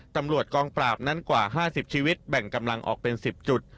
ตำรวจกองปราบนั้นกว่า๕๐ชีวิตแบ่งกำลังออกเป็น๑๐จุด